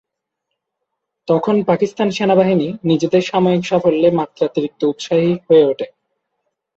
তখন পাকিস্তান সেনাবাহিনী নিজেদের সাময়িক সাফল্যে মাত্রাতিরিক্ত উৎসাহী হয়ে ওঠে।